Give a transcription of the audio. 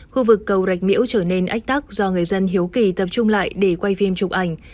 khu vực cầu rạch miễu trở nên ách tắc do người dân hiếu kỳ tập trung lại để quay phim chụp ảnh